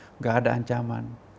tidak ada ancaman